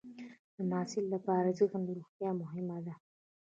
د محصل لپاره ذهني روغتیا مهمه ده.